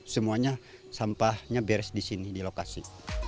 semuanya sampahnya beres di sini di lokasi